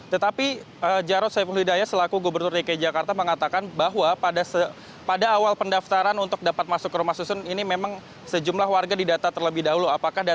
tetapi jarod saiful hidayah selaku gubernur dki jakarta mengatakan bahwa pada awal pendaftaran untuk dapat masuk ke rumah susun ini memang sejumlah warga didata terlebih dahulu